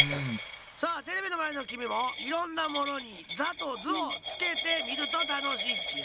さあテレビのまえのきみもいろんなものに「ザ」「ズ」をつけてみるとたのしいっちよ。